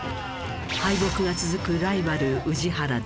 敗北が続くライバル宇治原だが。